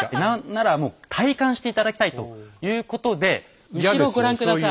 ならもう体感していただきたいということで後ろご覧下さい。